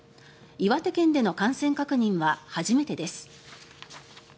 岩手県での感染確認は初めてです。